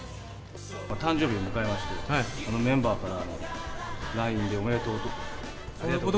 誕生日を迎えまして、メンバーからＬＩＮＥでおめでとうと。